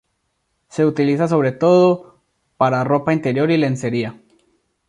Se utiliza sobre todo para ropa interior y lencería.